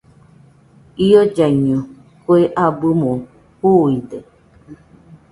Iollaiño kue abɨmo juuide.